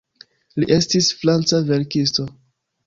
Li estis franca verkisto.